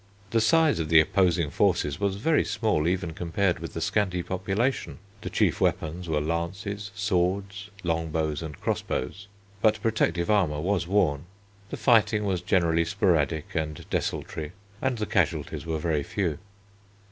The size of the opposing forces was very small even compared with the scanty population. The chief weapons were lances, swords, long bows, and cross bows, but protective armour was worn. The fighting was generally sporadic and desultory and the casualties were very few.